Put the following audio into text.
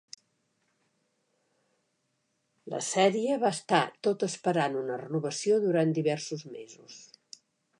La sèrie va estar tot esperant una renovació durant diversos mesos.